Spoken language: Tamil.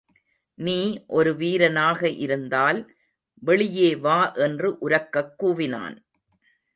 நீ ஒரு வீரனாக இருந்தால் வெளியே வா என்று உரக்கக் கூவினான்.